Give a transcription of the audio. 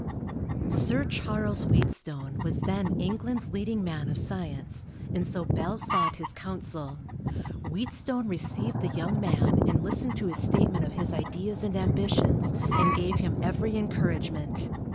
Sir Charles Wheatstone was then England's leading man of science, and so Bell sought his counsel. Wheatstone received the young man and listened to his statement of his ideas and ambitions and gave him every encouragement.